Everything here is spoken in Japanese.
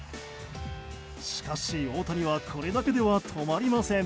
しかし、大谷はこれだけでは止まりません。